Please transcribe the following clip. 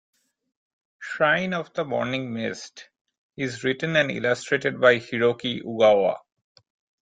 "Shrine of the Morning Mist" is written and illustrated by Hiroki Ugawa.